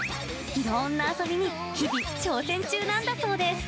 いろんな遊びに日々、挑戦中なんだそうです。